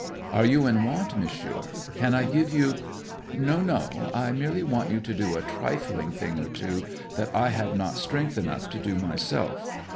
'"Are you in want, Monsieur? Can I give you " '"No, no. I merely want you to do a trifling thing or two that I have not strength enough to do myself.